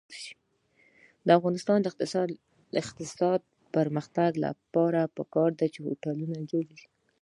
د افغانستان د اقتصادي پرمختګ لپاره پکار ده چې هوټلونه جوړ شي.